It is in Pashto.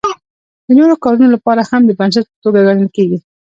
د نورو کارونو لپاره هم د بنسټ په توګه ګڼل کیږي.